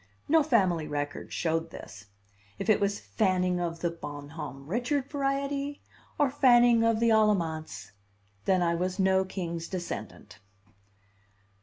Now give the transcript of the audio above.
No family record showed this. If it was Fanning of the Bon Homme Richard variety, or Fanning of the Alamance, then I was no king's descendant.